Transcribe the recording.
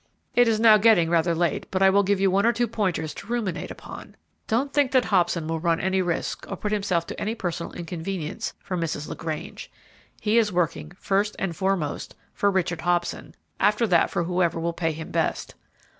It is now getting rather late, but I will give you one or two pointers to ruminate upon. Don't think that Hobson will run any risks or put himself to any personal inconvenience for Mrs. LaGrange. He is working first and foremost for Richard Hobson, after that for whoever will pay him best.